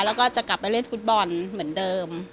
แล้วก็จะกลับไปเล่นฟุตบอลเหมือนเดิม